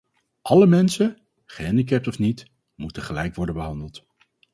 Alle mensen - gehandicapt of niet - moeten gelijk worden behandeld.